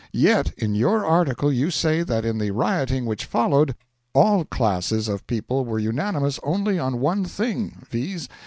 Yet in your article you say that in the rioting which followed, all classes of people were unanimous only on one thing, viz.